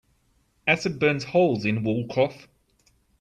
Acid burns holes in wool cloth.